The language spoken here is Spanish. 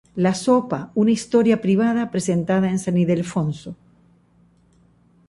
La sopa una historia privada, presentada en San Ildefonso.